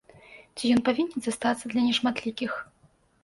Ці ён павінен застацца для нешматлікіх?